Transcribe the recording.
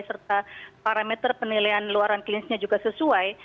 serta parameter penilaian luaran klinisnya juga sesuai